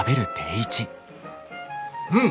うん！